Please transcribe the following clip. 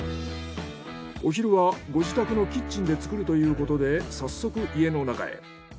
お昼はご自宅のキッチンで作るということで早速家の中へ。